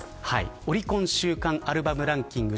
オリコン週間アルバムランキング